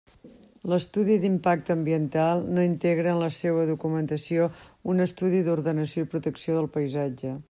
L'estudi d'impacte ambiental no integra en la seua documentació un estudi d'ordenació i protecció del paisatge.